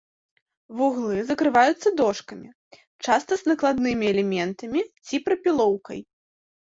Вуглы закрываюцца дошкамі, часта з накладнымі элементамі ці прапілоўкай.